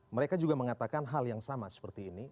mereka juga mengatakan hal yang sama seperti ini